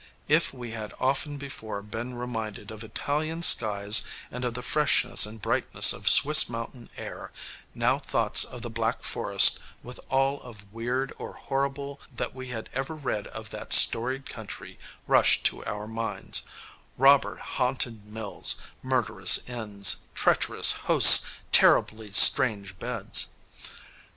If we had often before been reminded of Italian skies and of the freshness and brightness of Swiss mountain air, now thoughts of the Black Forest, with all of weird or horrible that we had ever read of that storied country, rushed to our minds robber haunted mills, murderous inns, treacherous hosts, "terribly strange beds."